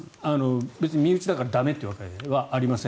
別に身内だから駄目というわけではありません。